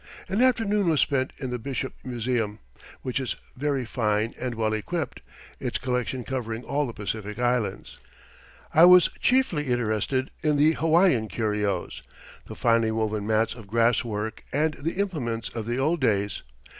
An afternoon was spent in the Bishop Museum, which is very fine and well equipped, its collection covering all the Pacific islands. I was chiefly interested in the Hawaiian curios, the finely woven mats of grass work and the implements of the old days.